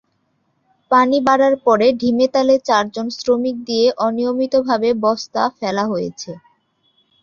পানি বাড়ার পরে ঢিমেতালে চারজন শ্রমিক দিয়ে অনিয়মিতভাবে বস্তা ফেলা হয়েছে।